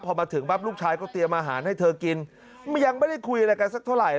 พอมาถึงปั๊บลูกชายก็เตรียมอาหารให้เธอกินยังไม่ได้คุยอะไรกันสักเท่าไหร่